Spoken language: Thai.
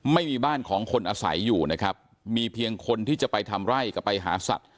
ไม่มีบ้านของคนอาศัยอยู่นะครับมีเพียงคนที่จะไปทำไร่กับไปหาสัตว